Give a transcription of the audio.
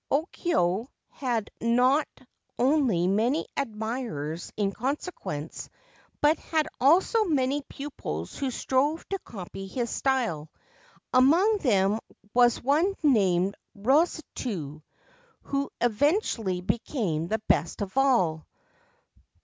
Okyo had not only many admirers in consequence, but had also many pupils who strove to copy his style ; among them was one named Rosetsu, who eventually became the best of all.